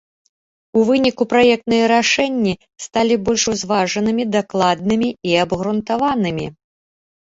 У выніку праектныя рашэнні сталі больш узважанымі, дакладнымі і абгрунтаванымі.